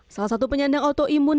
salah satu penyandang autoimun